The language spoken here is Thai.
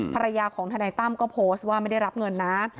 ภรรยาของทนายตั้มก็โพสต์ว่าไม่ได้รับเงินนะ